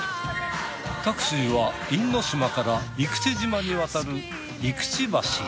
タクシーは因島から生口島に渡る生口橋へ。